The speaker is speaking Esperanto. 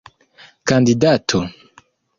kandidato